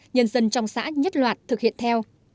nhân dân trong xã nhất loạt thực hiện theo